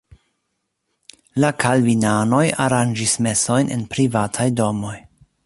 La kalvinanoj aranĝis mesojn en privataj domoj.